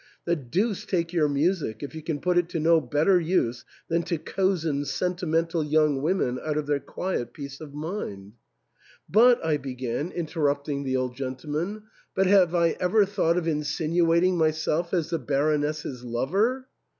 The deuce take your music if you can put it to no bet ter use than to cozen sentimental young women out of their quiet peace of mind." "But," I began, interrupt THE ENTAIL. 24^ ing the old gentleman, " but have I ever thought of in sinuating myself as the Baroness's lover ?